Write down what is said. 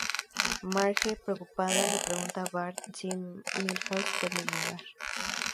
Marge, preocupada, le pregunta a Bart si Milhouse puede nadar.